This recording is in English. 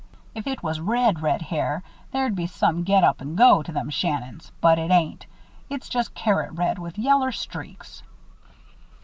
If it was red red hair, there'd be some get up and go to them Shannons; but it ain't. It's just carrot red, with yaller streaks."